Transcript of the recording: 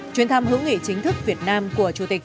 chuyến thăm hữu nghị chính thức việt nam của chủ tịch